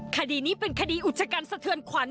คดีนี้เป็นคดีอุจกันสะเทือนขวัญ